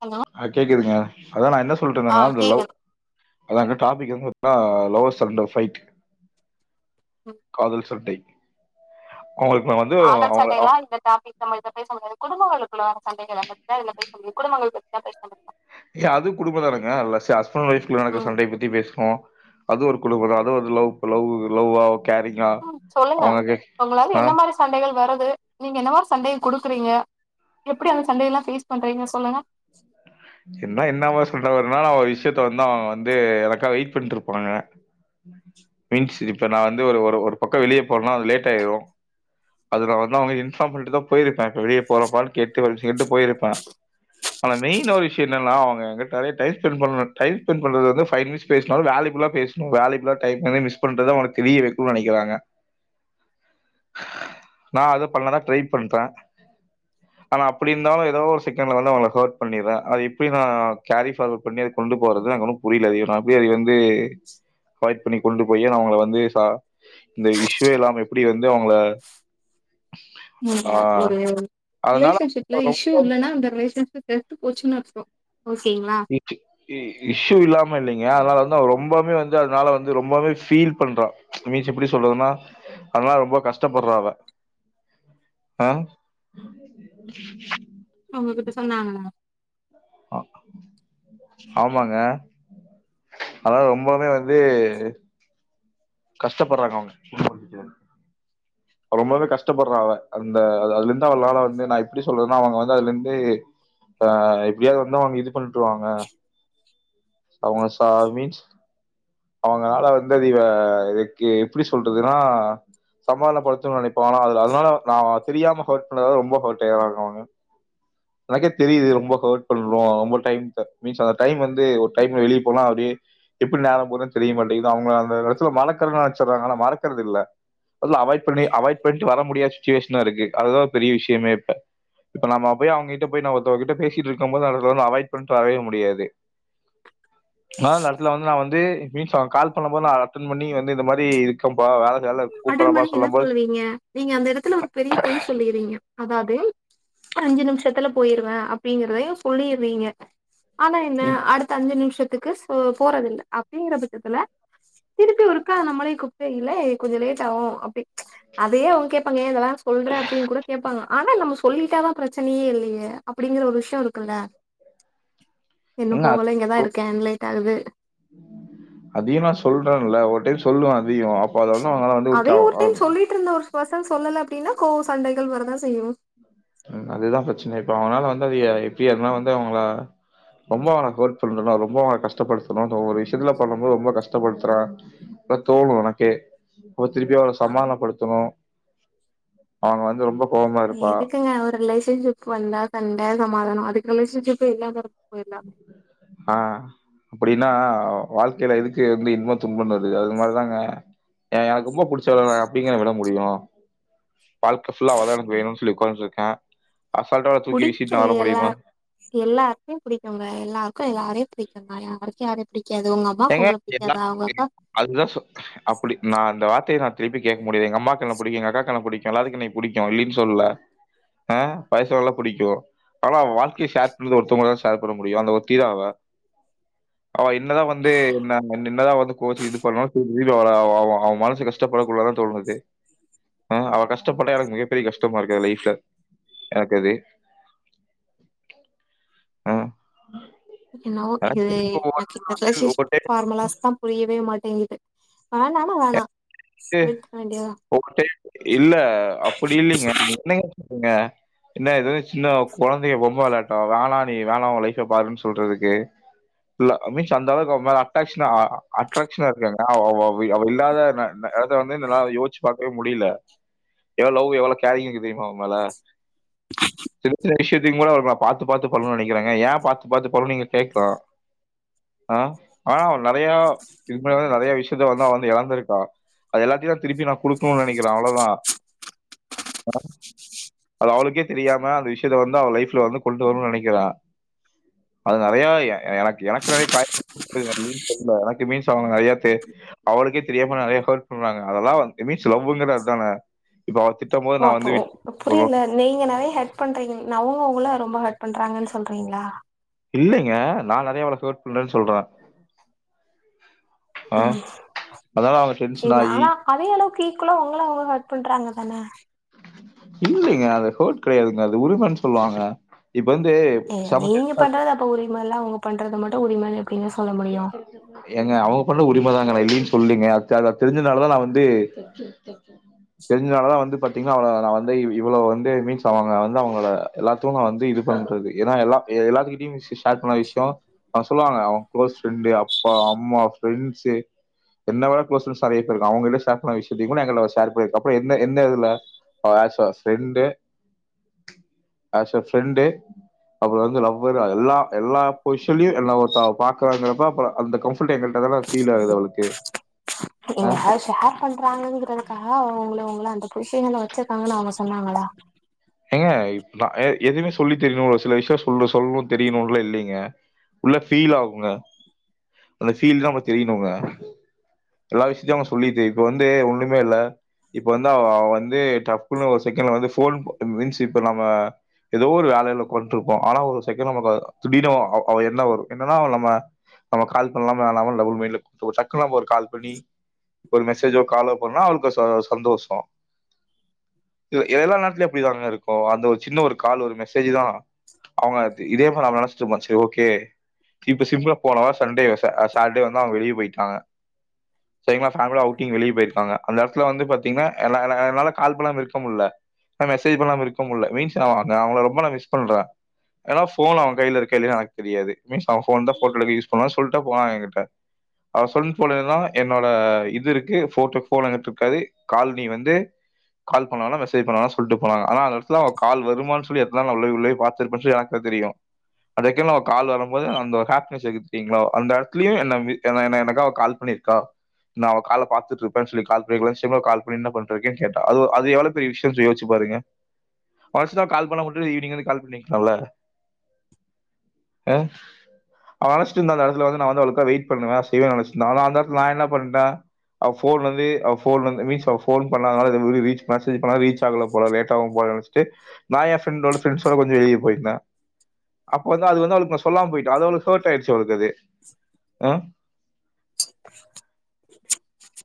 Hello ஆ கேக்குதுங்க அதா நா என்ன ஆ சொல்ட்ருந்தேனா இந்த லவ் கேக்குது அதா டாபிக் இருந்திருந்தா லவ்வர்ஸ் அண்ட் ஃபைட் ம் காதல் சண்டை அவங்களுக்கு நா வந்து காதல் அவுங்க சண்டைல்லா இந்த டாப்பி நம்ம பேச முடியாது குடும்பங்களுக்குள்ள உள்ள சண்டைகள பத்தி இதுல பேச முடியு குடும்பங்கள் பத்திதா பேச ஏ அது குடும்ப தானங்க நல்ல ஹஸ்பண்ட் ஒய்ஃப் நடக்க ம் சண்ட பத்தி பேசுவோ அது ஒரு குடும்பதா அது ஒரு லவ் லவ்வா கேரிங்கா ம் சொல்லுங்க அவங்க கே உங்களால ஆ என்ன மாரி சண்டைகள் வருது நீங்க என்ன மாரி சண்டை குடுக்குறீங்க எப்பிடி அந்த சண்டை எல்லா பேஸ் பண்றீங்க சொல்லுங்க என்ன என்னாம சொல்றவர்னா என்ன என்ன மாரி சண்ட வருணாஅவ ஒரு விஷயத்த வந்து அவுங்க வந்து எனக்காக வெயிட் பண்ணிட்டு இருப்பாங்க ம் மீன்ஸ் இப்போ நா வந்து ஒரு ஒரு பக்க வெளிய போனேனா அது லேட் ஆயிரு அதுல வந்து அவுங்க இன்பார்ம் பண்ணிட்டுதா பொயிருப்பா இப்ப வெளிய போறப்பான்னு கேட்டுட்டு போயிருப்பா ஆன மெயின்ல ஒரு விஷ்யோ என்னனா அவுங்க நறைய டைம் ஸ்பெண்ட் பண்ணணு டைம் ஸ்பெண்ட் பண்றது வந்து ஃபை மினிட்ஸ் பேசுனாலு வேல்யபுலா பேசு வேலைக்குல்லா டைம்ல மிஸ் பண்றது தா எனக்கு தெரிய வைக்கனு நெனைக்கிறாங்க நா அது பண்ணலாதா ட்ரை பண்ற ஆனா அப்டி இருந்தாலு ஏதோ ஒரு செகண்டல வந்து அவுங்ள வந்து ஹேர்ட் பண்ணிற்றே அது எப்டி நா கேரி ஃபார்வேர்ட் பண்ணி அத கொண்டு போறதுன்ன எனக்கு ஒன்னு புரியல நா அப்டி அது வந்து அவாய்ட் பண்ணி கொண்டு போயி அவுங்கள வந்து ச இந்த இஷ்யூவே இல்லாம எப்டி வந்து அவுங்க ஒரு அதனால ரிலேஷன்ஷிப்ல இஷ்யூ ரொம்ப இல்லனா அந்த ரிலேஷன்ஷிப்பு போச்சுன்னா வச்சுக்கோ ஓகேங்ளா ச்சு இஷ்யூ இல்லாம இல்லைங்க அதனால வந்து அவ ரொம்பமே வந்து அதனால வந்து ரொம்பமே ஃபீல் பண்றா மீன்ஸ் எப்டி சொல்லறதுன்னா அதனால ரொம்ப கஷ்டப்பட்றா அவ அ அவுங்க உங்ககிட்ட சொன்னாங்லா அ ஆமாங்க ஆனா ரொம்பவே வந்து கஷ்டப்பட்றாங்க அவுங்க ரொம்பவே கஷ்டப்பட்றா அவ அந்த அந்த அதுலருந்து அவளால வந்து நா எப்டி சொல்றேன்னா அவுங்க வந்து அதுல இருந்து அ எப்பிடியாவது வந்து அவுங்க இது பண்ணிட்ருவாங்க அவுங்க சா மீன்ஸ் அவுங்களால வந்து அது இவ இதுக்கு எப்பிடி சொல்றதுன்னா சம்மாதனப்படுத்துணு நெனப்பாங்க அது அதனால நா தெரியாம ஹார்ட் பண்றலா ரொம்ப ஹர்ட் ஆறாங்க அவுங்க எனக்கே தெரியுது ரொம்பஹார்ட் பண்றோ ரொம்ப டைம் மீன்ஸ் அந்த டைம் வந்து டைம் வெளியே போனா அதே அப் எப்பிடி நேர போறதுன்னு தெரிய மாட்டேங்குது அவுங்க அந்த இடத்து ல மறக்கறண்னு ஆச்சுறா ஆனா மறக்கறது இல்ல இல்ல அவாய்ட் பண்ணி அவாய்ட் பண்ணிட்டு வர முடியாத சுச்சுவேஷனா இருக்கு அதுதா பெரிய விஷயமே இப்ப இப்ப நம்ம போய் அவுங்ககிட்ட போய் நம்ம ஒருத்தககிட்ட பேசிட்டு இருக்கு போது அத வந்து அவாய்ட் பண்ணிட்டு வரவே முடியாது ஆ இடத்துல வந்து நா வந்து மீன்ஸ் கால் பண்ண போது நா அட்டன் பண்ணி வந்து இந்த மாரி இருக்கேப்பா வேல வேல இருக்கு கூப்பிடறப்பா அட்டபண்ணி என்ன சொல்லும்போது சொல்லுவீங்க நீங்க அந்த இடத்துல ஒரு பெரிய பொய் சொல்லிகிறீங்க அதாவது சார் அஞ்சு நிமிஷத்துல போயிருவே அப்பிடிங்குறதையு சொல்லிறீங்க ஆனா என்ன இ- அடுத்த அஞ்சு நிமிஷத்துக்குஸ் போறதில்ல அப்பிடிங்குற பட்சத்துல திருப்பி ஒருக்கா நம்மளே கூப்டு இல கொஞ்சோ லேட்டா ஆ அப்பிடி அதே அவுங்க கேட்பாங்க ஏ இத சொல்றே அப்பிடின் கூட கேட்பாங்க ஆனா நம்ம சொல்லிட்டாதா பிரச்சனையே இல்லயே அப்டிங்குற ஒரு விஷய இருக்குல்ல இன்னு ஏங்க, அது- போகல இங்கதா இருக்கே அண் லேட்டா ஆகுது அதையு நா சொல்றேல ஒரு டைம் சொல்லுவே அதையு [unintelligible] அதே ஒரு டைம் சொல்லிட்ரு இருந்த ஒரு பர்சன் சொல்லலனா அப்பிடின்னா கோ சண்டைகள் வரதா செய்யு ம் அதேதா பிரச்சன இப்ப அவனால வந்து அது எப்பிடி அதனால வந்து அவுங்கள ரொம்ப அவுங்க ஹெல்ப்பண்ணு ரொம்ப அவுங்க கஷ்டப்படுத்துணு ஒரு விஷத்துல பண்ணுபோது ரொம்ப கஷ்டப்படுத்துற தோணு உனக்கே அப்ப திருப்ப அவ்ள சமாதானப்படுத்தணு அவங்க வந்து ரொம்பக் ஏதுக்குங்கா ஒரு ரிலேன்ஷிப் வந்தா சண்ட சாமாதானோ அதுக்கு ரிலேஷன்ஷிப்பே இல்லாம போய்ர்லா ஆ அப்டின்னா வாழ்க்கையில எதுக்கு வந்து இன்ம துன்ப வருது அது மாரிதாங்க எனக்கு ரொம்ப பிடிச்சவங்க எப்டிங்க விட முடியு வாழ்க்கைஃபுல்லா அவதா எனக்கு வேணும்னு சொல்லி க உக்கான்ட்ருக்கே அசால்ட்டா அவள தூக்கி வீசிட்டு நா புடிக்குங்க வர எல்லா முடியுமா எல்லாருக்குமே புடிக்குங்க எல்லாருக்கு எல்லாரையு பிடிக்குங்க யாருக்கு யாரே பிடிக்காது உங்க அம் அம்மாக்கு உங்கள பிடிக்காதா [unintelligible] அதுதா சொல் அப்டி நா அந்த வார்த்தைய நா திருப்பி கேட்க முடியாது எங்க அம்மாக்கென்ன பிடிக்கு எங்க அக்காக்கென்ன பிடிக்கு எல்லாத்துக்கு என்னை பிடிக்கு இல்லன்னு சொல்லல ஆஹ் [unintelligible] பிடிக்கு ஆனா வாழ்கய ஷேர் பண்றது ஒருத்ங்கூட தா ஷேர் பண்ண முடியு அந்த ஒருத்திதா அவ அவ என்ன தா வந்து என்ன என்னதா வந்து கோச்சு இது பண்ணாலு அவன் மனசு கஷ்டப்படக்கூட தா தோணுது ஆஹ் அவ கஷ்டப்பட்டா எனக்கு மிகப்பெரிய கஷ்டமா இருக்குது லைஃப்ல எனக்கு அது ஆ ஏன்னவோ இது எனக்கு இப்போ எனக்கு இந்த ஒவ்வொரு ரிலேஷன்ஷிப் டைம் ஃபார்முலாஸ் தா புரியவே மாட்டேங்குது வேனானா வேணா எ விட்ற வேண்டியதா கொக்ட்டே இல்ல அப்டி இல்லேங்க குட்நைட் ங்க என்ன ஏது சின்ன குழந்தைங்க பொம்மை விளாட்டு வேனா நீ வேனா ஒ லைஃபே பாருன்னு சொல்றதுக்கு மீன்ஸ் அந்த அளவுக்கு அவ மேல அட்டாக்ஷனா அட்ராக்ஷனா இருக்காங்கது அ அவ இல்லாத அத வந்து நல்ல யோச்சு பா வே முடியல ஏனா லவ் எவ்வளோ கேரிங் இருக்கு தெரியுமா அவமேல சின்ன சின்ன விஷயத்தையு கூட அவளுக்கு நா பாத்து பாத்து பண்ணனுன்னு நெனைக்றேங்க ஏ பாத்து பா்த்து பண்ணு நீங்க கேக்லா ஆ ஆனா அவ நெறய இதுமுன்னாடி வந்து நெறய விஷயத்த வந்து அவ வந்து எழந்துருக்கா அது எல்லாத்தையு நா திருப்பி நா குடுக்கணுன்னு நெனைக்கிற அவ்ளோதா அது அவளுக்கே தெரியாம அந்த விஷயத்த வந்து அவ லைஃப்ல வந்து கொண்டு வருனுனு நெனைக்கிரா அது நெறயா எனக்கு எனக்கு நெறைய கா [unintelligible] தெர்ல எனக்கு மீன்ஸ் அவுங்க நெறயா தே அவளுக்கே தெரியாம நெறயா ஹெர்ட் றாங்க அதெல்லா மீன்ஸ் லவ்ங்கரது அதான இப்ப அவ திட் ஓ அப்போ புரில நீங்க நெறயா ஹெட் பண்றீங்க ந அவங்க உங்கள ரொம்ப ஹெட் பண்றாங்கன்னு சொல்றீங்களா இல்லைங்க நா நெறய அவள ஹெர்ட் பண்ரேன்னு சொல்ற ஆ? ம் அதனால அவங்க டென்ஷன் சேர் ஆகி நாலா அதே அளவுக்கு ஈக்குவலா உங்கள அவங்க ஹெர்ட் பண்றாங்க தான இல்லைங்க அது ஹெர்ட் கிடையாதுங்க அது உரிமைன்னு சொல்லுவாங்க இப்ப வந்து சமக் [inaudible] ப்ப உரிமல்லா அவுங்க பண்றத மட்டு உரிமன்னு எப்டிங்க சொல்ல முடியு எங்க அவங்க பண்றது உரிம தாங்கா ந இல்லன்னு சொல்லீங்க தெரிஞ்சதுனால தா நா வந்து தெரிஞ்சனாலதா வந்து பாத்தீங்கன்னா அவள நா வந்து இவ்ளோ வந்து மீன்ஸ் அவங்க வந்து அவங்கள எல்லா தூங்க வந்து இது பண்றது ஏன்னா எல்லா எல்லாத்துகிட்யு ஷேர் பண்ண விஷியோ அவங்க சொல்லுவாங்க அவங் ஃப்ரெண்ட் அப்பா அம்மா ஃப்ரெண்ட்ஸு என்ன விட க்ளோஸ் ஃப்ரெண்ட்ஸ் நெறய பேரு இருக்காங்க அவங்களிட்ட சேர் பண்ணத விஷயத்தையு கூட எங்கிட்ட ஷேர் பண்ணிருக்கா அப்ரோ என்ன என்ன இதுல ஆஷ ஃப்ரெண்டு ஆஸ்ய ஃப்ரெண்டு அப்ரோ வந்து லவ்வரு எல்லா எல்லா பொஷிஷன்லியு என்ன ஒருத்தங்க பாக் கறாங்கப்ப அப்ப அந்த கம்ஃபர்ட் எங்கள்ட்டதான ஃபீல் ஆகுது அவளுக்கு அஹ் ஏங்க ஷேர் பண்றாங்கங்கறது. கணக்கா உங்கள உங்கள அந்த பொசிஷன்ல வச்சிருக்காங்கன்னு அவங்க சொன்னாங்களா ஏங்க எதுமே சொல்லி தெரியணு ஒருசில விஷியோ சொல்ல சொல்ணு தெரியணுல்லா இல்லைங்க உள்ள ஃபீல் ஆகுங்க அந்த ஃபீல்ல அவங்க தெரியணுங்க எல்லா விஷயத்தையு அவங்க சொல்லிட்டு இப்ப வந்து ஒண்ணுமே இல்ல இப்ப வந்து அவ வந்து டப்புனு ஒரு செகண்ட்ல வந்து ஃபோன் மீன்ஸ் இப்ப நம்ம எதோ ஒரு வேலைல கொண்டுருப்போ ஆனா ஒரு செகண்ட் நமக்கு திடீனு அவ எண்ண வரு என்னன்னா நம்ம நம்ம கால் பண்ணலாம வேணாமான் டபுள்மைண்ட் ஒரு சக்குனு நம்ப ஒரு கால் பண்ணி ஒரு மெசேஜோ காலோ பண்ணா அவளுக்கு சந்தோசோ எல்லா நேரத்துல அப்டிதாங்க இருக்கு அந்த ஒரு சின்ன ஒரு கால் ஒரு மெசேஜ் தா அவங்க இதே மாரி அவ நெனச்சுட்டு இருப்பா செரி ஓகே இப்ப சிம்பிளா போனவா சண்டே ச சாட்டர்டே வந்து அவங்க வெளிய போய்ட்டாங்க சரிங்களா ஃபேமிலியா அவுட்டிங் வெளிய போயிருக்காங்க அந்த எடத்துல வந்து பாத்தீங்கன்னா என்ன என்னால கால் பண்ணாம இருக்க முல்ல மெசேஜ் பண்ணாம இருக்க முல்ல மீன்ஸ் நா அவங்கள ரொம்ப நா மிஸ் பண்ற ஏனா ஃபோன் அவங்க கைல இருக்கா இல்லயா எனக்கு தெரியாது மீன்ஸ் அவங்க ஃபோன்தா போட்டோ எடுக்க யூஸ் பண்ணுவாங்க சொல்ட்டு போனாங்க எகிட்ட அவ சொன் போலேனா என்னோட இது இருக்கு ஃபோட்டோ ஃபோன் அங்கட்டு இருக்காது கால் நீ வந்து கால் பண்ண வேணா மெசேஜ் பண்ண வேணா சொல்ட்டு போனாங்க அனா அந்த எட்த்துலா அவங்க கால் வருமான்னு சொல்லி இருந்தாலு ந உள்ளே உள்ளே பாத்திருப்பனு எனக்கு தா தெரியு அந்த டைம்ல அவ கால் வரும்போது அந்த ஒரு ஹாப்பினஸ் இருக்கு தெரியுங்களா அந்த எடத்துலயு என என என எனக்காக கால் பண்ணிருக்கா நா அவகால பாத்துட்ருப்ப சொல்லி கால் பண்ணிக்கூட சிவா கால் பண்ணி என்ன பண்றிங்க கேட்டா அது ஒர் அது பெரிய எவ்ள விஷ்ஸ்யு யோச் பாருங்க ஃபர்ஷ்ளா கால் பண்ணாம உட்டு ஈவ்னி்ங்கா எனக்கு கால் பண்ணிருக்கலாம்ல பண்ணிருக்கலாம்ல அ ஹாஸ்ட் இந்த அந்த எடத்துல வந்து நா வந்து அவளுக்கா வெய்ட் பண்ணுவ செய்வே நெனைச்சிட்டுயிருந்த ஆனா அந்த எடத்துல நா என்ன பண்ற அவ ஃபோன் வந்து அவ ஃபோன் வந் மீஷோ ஃபோன் பண்ணாத நால ரீச் மெசேஜ் பண்ணாத ரீச் காலை ல போனா லேட்டாவு போல நெனச்சிட்டு நா எ பிரண்டோட ஃப்ரெண்ஸ்ஸோட கொஞ்ச வெளிய போயிருந்த அப்ப வந்து அது வந்து அவளுக்கு ந சொல்லாம போயிட்ட அது அவளுக்கு ஹர்ட் ஆயிடுச்சி அவளுக்கு அது அ [inaudible]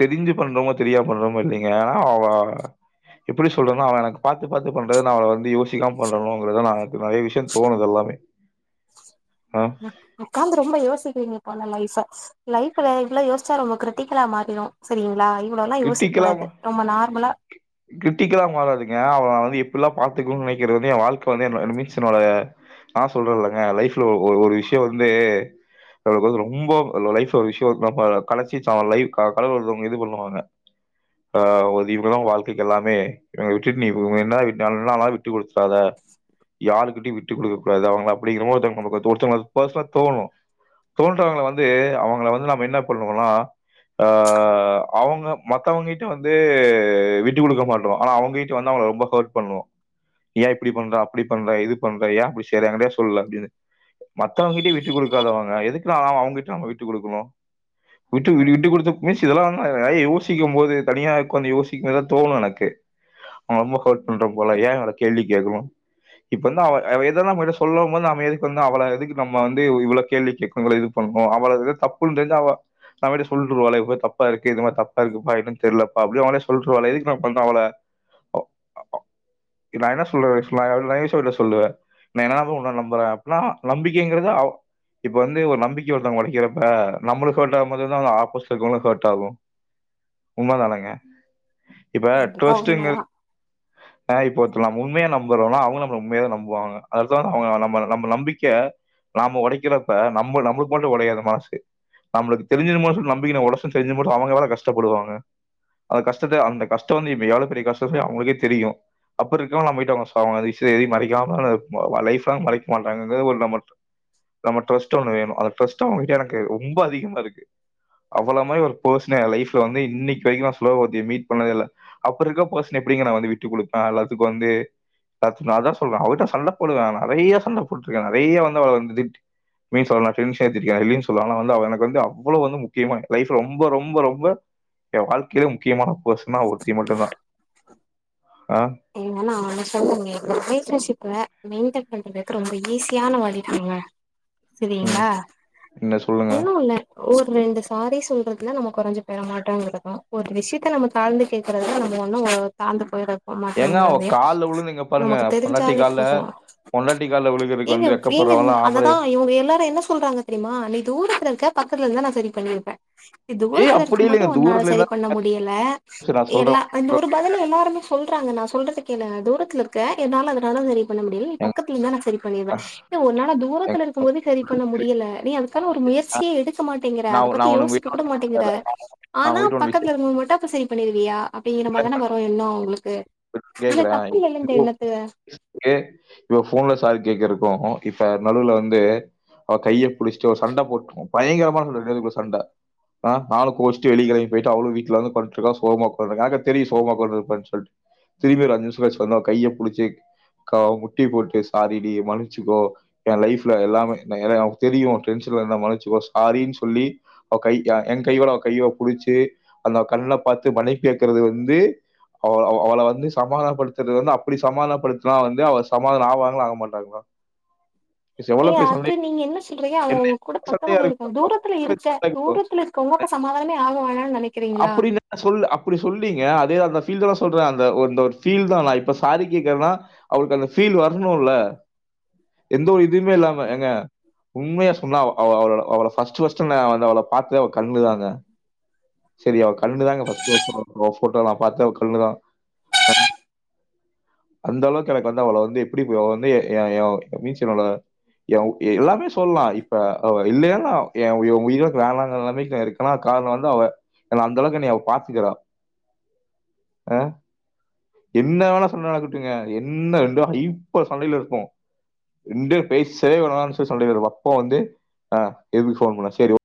தெரிஞ்சி பண்றோமோ தெரியாம பண்றோமோ இல்லைங்க அவ எப்டி சொல்றனா அவ எனக்கு பாத்துபாத்து பண்றது நா அவ வந்து யோசிக்காம பண்றனோ அவங்கள நெறைய விஷயோ தோணுது எல்லாமே அ உக்காந்து ரொம்ப யோசிக்கிறீங்க போல லைஃப லைஃப்ல இப்பல்லா யோச்சா ரொம்ப கிரிட்டிக்கலா மாறிடு செரிங்களா இவ்வுளல்லா யோசிக்க கிரிட்டிக்கலா கூடாது ரொம்ப நார்மலா கிரிட்டிக்கலா மாறாதீங்க அவுங்க வந்து எப்பலா பாத்துக்கணோ நினைக்கிறதே எ வாழ்க்க வந்து மீன்ஸ் என்னோட ஆ சொல்றயில்லங்க லைஃப்ல ஒ ஒரு விஷ்யோ வந்து அவ வந்து ரொம்ப லைஃப் ஒரு விஷய நம்ப கடைசி சாமாலை லைக்க [unintelligible] கடவுள் இது பண்ணுவாங்க ஆ [unintelligible] வாழ்க் க்கு எல்லாமே என்ன விட்டு நீ என்ன விட்டு கொடுத்தறாத யாருகிட்டயு விட்டு குடுக்க கூடாது அவங்கள அப்டியே இன்னொறோதுதங்க ஒருத்தவங்க பர்சனல் தோனு தோன்றவங்களா வந்து அவுங்கள வந்து நம்ம என்ன பண்ணுவோனா ஆ அவுங்க மத்தவங்க கிட்ட வந்து விட் விட்டு கொடுக்க மாட்டோ ஆனா அவுங்க கிட்ட வந்து அவங்கள ரொம்ப ஹர்ட் பண்ணுவோ ஏ இப்டி பண்ற அப்டி பண்ற இது பண்ற ஏ அப்டி செய்ற எண்ணமே சொல்ல அப்டின்னு மத்தவங்க கிட்ட விட்டு கொடுக்காதவங்க எதுக்கன அவுங்க கிட்ட நம்ம விட்டு கொடுக்கனு விட்டு விட்டு கொடுத்து போயிச்சி இதல்லா நெறய யோசிக்க போது தனியா உக்கார்ந்து யோசிக்க தா தோனு எனக்கு ரொம்ப ஹர்ட் பண்றே போல ஏ எங்கள கேள்வி கேக்கனு இப்பல்லா அவ எதெல்ல உங்க சொல்லணோ போது நம்ம எதுக்கு வந்து அவள எது நம்ம வந்து இவள கேள்வி கேக்குனோ இருக் பண்ணோ அவள வந்து தப்புன்னு தெரிஞ்சா அவ அவளே சொல்ருவாளே இது மாரி தப்பா இருக்கு இந்த மாதிரி தப்பா இருக்குப்பா என்னன்னு தெரிலப்பா அப்டினு அவளே சொல்ருவாளே எதுக் நா பண்ற அவள நா என்ன சொல்றது அது நைசா வந்து சொல்ற நா என்ன தா ப்ரோ உன்ன நம்புற அப்னா நம்பிக்கைகிறது அவ இப்ப வந்து ஒரு நம்பிக்க ஒருத்தங்க வைக்கிறப்ப நம்மளுக்கு ஹர்ட் ஆகுற மாதிரி தானே அந்த ஆப்போசிட்ல இருக்கிறவங்களுக்கு ஹர்ட் ஆகு உண்ம தானங்க இப்ப கண்டிப்பா உண்மதா ட்ரெஸ்ட்ங்கறது அ இப்ப ஒருத்தங்கள உண்மையா நம்புறோன்னா அவுங்களு நம்மள உண்மையாதா நம்புவாங்க அது தா அவுங்க நம்ம நம்ம நம்பிக்க நம்ம உடைக்கிறப்ப நம்போ நம்மளுக்கு மட்டு உடையாது மணசு நம்மளுக்கு தெரிஞ்சு போது சொல்லி நம்பி உனக்கு தெரிஞ்சு போது அவங்க எவ்ளோ கஷப்படுவாங்க அந்த கஷ்டத்த அந்த கஷ்ட வந்து இப்ப எவ்ளோ பெரிய கஷ்டோ சொல்லி அவங்களுக்கே தெரியு அப்டி இருக்குறவுங்க நம்ம கிட்ட அவங்க விஷயோ எதயு மறைக்காம லைஃப் லாங் மறைக்க மாட்டாங்கிறது ஒரு நம்ப நம்ம ட்ரஸ்ட் ஒன்னு வேணு அந்த ட்ரஸ்ட் அவங்ககிட்ட எனக்கு ரொம்ப அதிகமா இருக்கு அவள மாரி ஒரு பெர்சன லைப்ல வந்து இன்னைக்கு வரைக்கு ஸ்லோ பத்திய மீட் பண்ணவே இல்ல அப்டி இருக்க பர்சன எப்டிங்க நா வந்து விட்டு கொடுப்பே எல்லாத்துக்கு வந்து பட் நா தா சொல்ற அவிட்ட சண்ட போடுவே நெறைய சண்ட போட்டிருக்கே நெறைய வந்து அவள வந்துட் மீன் சொல்ல டென்த்தக்க [unintelligible] இல்லைன்னு சொல்லல ஆனா வந்து அவ எனக்கு வந்து அவ்ளோ வந்து முக்கியமா லைப்ல வந்து ரொம்ப ரொம்ப ரொம்ப என் வாழ்க்கையிலே முக்கியமான பர்சன்னா அவ ஒருத்தி மட்டுதா ஆ ஏனா ஒன்னு சொல்றங்க ரிலேஷன்ஷிப்ல மெயின்டென் பண்றதுக்கு ரொம்ப ஈஸியான வழி இருக்குதுங்க ம். செரிங்களா என்ன சொல்லுங்க? ஒண்ணு இல்ல ஒரு ரெண்டு சாரி சொல்றதுல நம்ம கொறஞ்சு போய்ட மாட்டோ ஒரு விஷயத்துல மட்டு தாழ்ந்து கேக்குறத நம்ம ஒண்ணு ஒரு தாழ்ந்து போயிட ஏங்க அவ மாட்டேங்கறாங்க கால்ல விழுந்து இங்க பாருங்க. நமக்கு பொண்டாட்டி தெரிஞ்சாலே கால்ல போது பொண்டாட்டி கால்ல விழுகுறதுக்கு ஏங்க வந்து ஏங்க வெட்கப்படுறவன்லாம் ஆம்பள. அவதா இவங்க எல்லாரு என்ன சொல்றாங்க சரிமா நீ தூரத்துல இருக்க பக்கத்துல இருந்தா நா சரி பண்ணிருப்பே நீ ஏய் தூரத்துல அப்படி இருக்கு போது இல்லைங்க. ஒன்னால தூரத்துல சரி இருந்து தான் பண்ண முடியல பேசுறேன். நான் சொல்றேன் எல்லா இந்த சொல்றேன். ஒரு பதில எல்லாருமே சொல்றாங்க நா சொல்றத கேளே தூரத்துல இருக்க என்னால அதனால உதவி பண்ண முடியல நீ ஏங்க பக்கத்துல இருந்தா நா சரி பண்ணிருவே இது உன்னால ஏங்க தூரத்துல இருக்கு போது சரி பண்ண முடியல நீ அதுக்கான ஒரு முயற்சியே எடுக்க மாட்டேங்கிற அத நான் பத்தி நான் உங்க யோசிக்க வீட்ல கூட மாட்டேங்கிற நான் ஆனா உங்க வீட்ல ஒரு பக்கத்தில விஷயம் இருக்குபோது மட்டு அப்ப சரிப் பண்ணிருவியா அப்டிங்கிற மாரிதானே வரு எண்ணோ உங்களுக்கு இதுல தப்புல்ல இந்த எண்ணத்த யே இப்ப ஃபோன்ல சாரி கேக்குறத்துகாகு இப்ப நடுல வந்து அவ கைய புடிச்சிட்டு ஒரு சண்ட போட்டு பயங்கரமா ரெண்டு பேருக்கு சண்ட ஆ நானு குளிச்ட்டு வெளிய கெளம்பி போயிட்டே அவலு வீட்ல வந்து படுத்தூங்றா சோகமா எனக்கா தெரியு சோகமா ஒக்காந்திருப்பானு சொல்ட்டு திரும்பி அஞ்சு நிமிஷோ கழிச்சி வந்து கைய புடிச்சி கா முட்டி போட்டு சாரிடி மன்னிச்சிக்கோ எ லைஃப்ல எல்லாமே ஏனா தெரியு டென்ஷனா இருந்தா மன்னிச்சுக்கோ சாரின்னு சொல்லி அவ கை எ எ கையோட அவ கைய புடிச்சி அந்த கண்ண பாத்து மன்னிப்பு கேக்குறது வந்து அவ அவள வந்து சமாதானப்படுத்துறது வந்து அப்டி சமாதானப்படுத்துனா வந்து அவ சமாதான ஆவாங்ளா ஆக மாட்டாங்ளா ஏ அது நீங்க என்ன சொல்றீங்க அவ என்ன உங்கூட பக்கமா சண்டையா போயிருக்குனு தூரத்துல இருக்க இருக்கும் தூரத்துல கொங்கக்கு சமாதானமே ஆகவேனானு நெனைக்கு அப்டில்ல சொல் அப்டி சொல்றீங்க அதே அந்த ஃபீல்டெல்லா சொல்றே அந்த ஒரு ஃபீல் தா நா இப்ப சாரி கேக்குறேன்னா அவளுக்கு அந்த ஃபீல் வரணுல்ல எந்த ஒரு இதுவுமே இல்லாம ஏங்க உண்மையா சொன்னா அவ அவள அவள ஃபஸ்ட் ஃபஸ்ட் நா வந்து அவள பாத்தது அவ கண்ணுதாங்க சரியா அவ கண்ணுதாங்க ஃபஸ்ட் ஃபஸ்ட் பாத்தே [inaudible] நா பாத்தது கண்ணுதா அந்த அளவுக்கு எனக்கு வந்து அவள வந்து எப்டி வந்து எ எ மீச்சுனுள எல்லாமே சொல்லா இப்ப அவ இல்லைனா ஏ உயிரே வேணாங்குர நிலமைக்கு நா இருக் ஏனா காரண வந்து அவ என்ன அந்த அளவுக்கு என்னய பாத்துக்கிறா அ என்ன வேணா சண்ட நடக்கட்டு என்ன வேண்டு இப்ப சண்டையில இருக்கட்டு எந்த பேச்சே வேணானு சொல்ட்டு சண்டைக்கு வருவா அப்ப வந்து அ எப்டி ஃபோன் பண்ணுவ சேரி